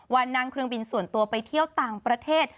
วันนั่งเครื่องบินส่วนตัวไปเที่ยวต่างประเทศ